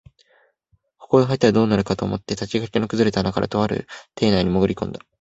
ここへ入ったら、どうにかなると思って竹垣の崩れた穴から、とある邸内にもぐり込んだ